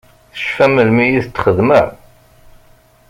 Tecfam melmi i t-txedmem?